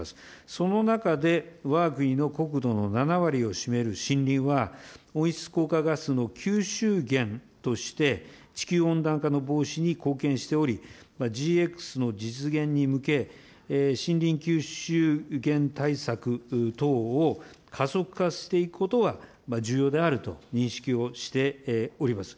その中で、わが国の国土の７割を占める森林は、温室効果ガスの吸収源として、地球温暖化の防止に貢献しており、ＧＸの実現に向け、森林吸収源対策等を加速化していくことは、重要であると認識をしております。